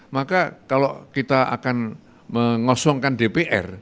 maka kalau kita akan mengosongkan dpr